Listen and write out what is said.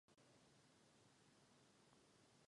Je pak značně hustší.